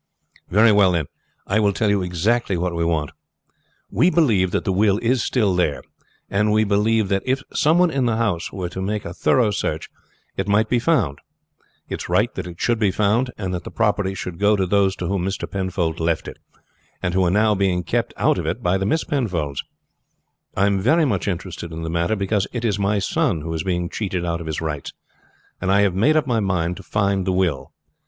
"Very well, then, I will tell you exactly what we want. We believe that the will is still there, and we believe that if some one in the house were to make a thorough search it might be found. It is right that it should be found, and that the property should go to those to whom Mr. Penfold left it, and who are now being kept out of it by the Miss Penfolds. I am very much interested in the matter, because it is my son who is being cheated out of his rights; and I have made up my mind to find the will.